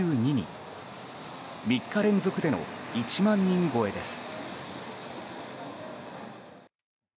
３日連続での１万人超えです。